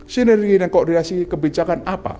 sinergi dan koordinasi kebijakan apa